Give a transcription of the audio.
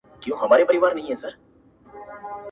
په ډېري کې خوره، په لږي کي ست کوه.